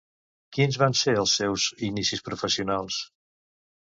Quins van ser els seus inicis professionals?